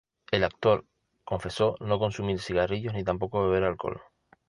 El actor confesó no consumir cigarrillos ni tampoco beber alcohol.